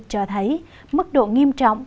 cho thấy mức độ nghiêm trọng